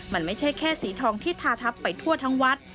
มันไม่ใช่แค่สีทองที่ทาทับไปทั่วทั้งวัด